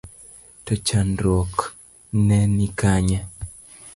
To chandruok ne ni kanye?